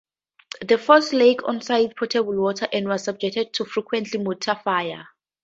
The force lacked on-site potable water and was subject to frequent mortar fire.